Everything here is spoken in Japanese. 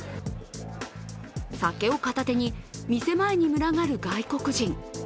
酒を片手に店前に群がる外国人。